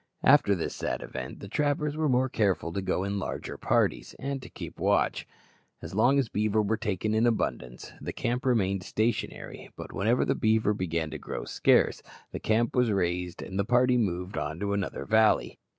After this sad event, the trappers were more careful to go in larger parties, and keep watch. As long as beaver were taken in abundance, the camp remained stationary; but whenever the beaver began to grow scarce, the camp was raised, and the party moved on to another valley.